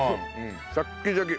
シャッキシャキ。